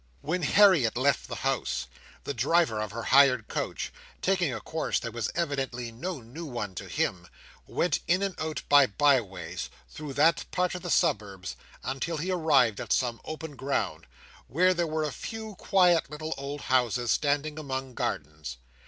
When Harriet left the house, the driver of her hired coach, taking a course that was evidently no new one to him, went in and out by bye ways, through that part of the suburbs, until he arrived at some open ground, where there were a few quiet little old houses standing among gardens.